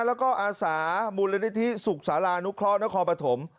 แล้วก็อาสาบุริษฐิสุขศาลานุคล้อนครปฐม